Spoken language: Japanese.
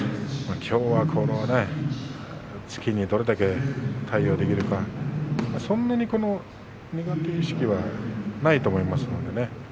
きょうは、この突きにどれだけ対応できるかそんなに苦手意識はないと思いますのでね